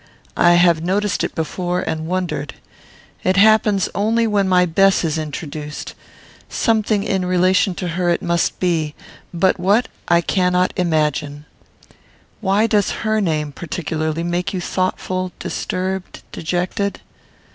I have noticed it before, and wondered. It happens only when my Bess is introduced. Something in relation to her it must be, but what I cannot imagine. Why does her name, particularly, make you thoughtful, disturbed, dejected?